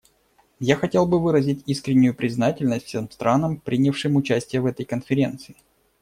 Я хотел бы выразить искреннюю признательность всем странам, принявшим участие в этой конференции.